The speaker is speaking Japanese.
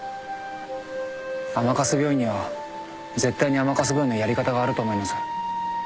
甘春病院には絶対に甘春病院のやり方があると思います。